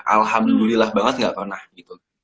alhamdulillah banget gak pernah gitu